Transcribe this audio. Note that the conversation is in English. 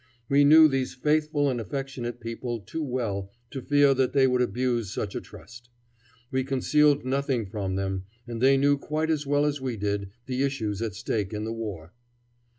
We knew these faithful and affectionate people too well to fear that they would abuse such a trust. We concealed nothing from them, and they knew quite as well as we did the issues at stake in the war.